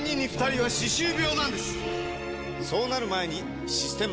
そうなる前に「システマ」！